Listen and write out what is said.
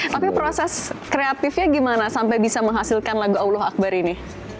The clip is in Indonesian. tapi proses kreatifnya gimana sampai bisa menghasilkan lagu allah akbar ini